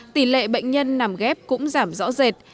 tỷ lệ bệnh nhân nằm ghép cũng giảm rõ rệt